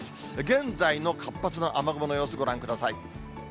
現在の活発な雨雲の様子ご覧ください。